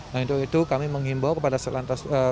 nah itu itu kami menghimbau kepada serlantas